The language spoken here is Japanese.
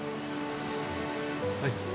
はい。